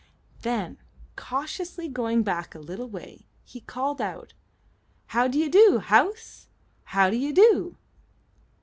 Then, cautiously going back a little way, he called out: "How d'ye do, house? How d'ye do?"